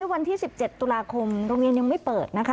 วันที่๑๗ตุลาคมโรงเรียนยังไม่เปิดนะคะ